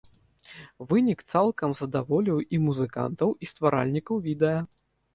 Вынік цалкам задаволіў і музыкантаў, і стваральнікаў відэа.